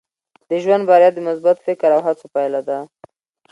د ژوند بریا د مثبت فکر او هڅو پایله ده.